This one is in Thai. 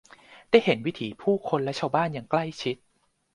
ได้เห็นวิถีผู้คนและชาวบ้านอย่างใกล้ชิด